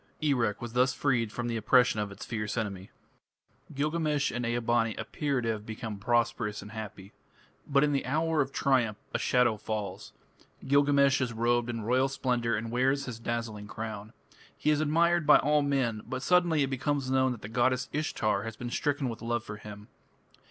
Erech was thus freed from the oppression of its fierce enemy. Gilgamesh and Ea bani appear to have become prosperous and happy. But in the hour of triumph a shadow falls. Gilgamesh is robed in royal splendour and wears his dazzling crown. He is admired by all men, but suddenly it becomes known that the goddess Ishtar has been stricken with love for him.